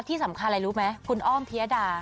ที่สำคัญอะไรรู้ไหมคุณอ้อมพิยดา